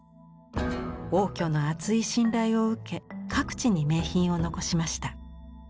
応挙の厚い信頼を受け各地に名品を残しました。